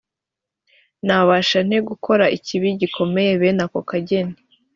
nabasha nte gukora ikibi gikomeye bene ako kageni‽